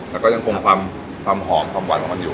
แต่ก็ยังคงความหอมความหวานของมันอยู่